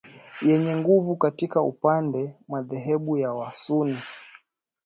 yenye nguvu katika upande madhehebu ya wasunni